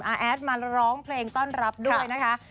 แอดมาร้องเพลงต้อนรับด้วยนะคะ